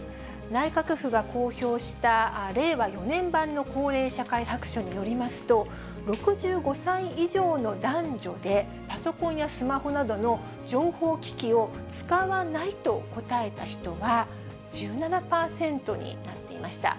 内閣府が公表した令和４年版の高齢社会白書によりますと、６５歳以上の男女でパソコンやスマホなどの情報機器を使わないと答えた人は、１７％になっていました。